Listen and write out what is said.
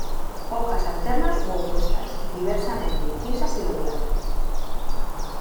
Hojas alternas u opuestas, diversamente incisas y lobuladas.